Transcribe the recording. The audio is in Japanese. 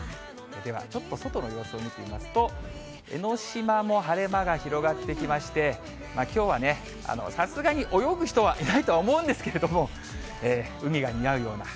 では、ちょっと外の様子を見てみますと、江の島も晴れ間が広がってきまして、きょうはね、さすがに泳ぐ人はいないと思うんですけれども、海が似合うような。